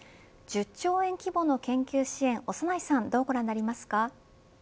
１０兆円規模の研究支援長内さんはどうご覧になりますか。